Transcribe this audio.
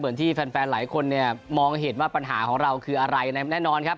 เหมือนแฟนหลายคนมองเห็นว่าปัญหาของเราคืออะไรแน่นอนครับ